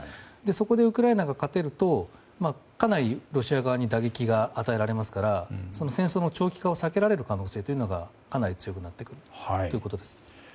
そこでウクライナが勝つとかなりロシア側に打撃が与えられますから戦争の長期化を避けられる可能性がかなり高くなってくるということです。